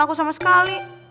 aku sama sekali